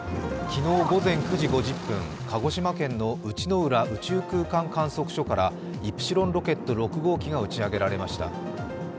昨日午前９時５０分、鹿児島県の内之浦宇宙空間観測所からイプシロンロケット６号機が打ち上げられました。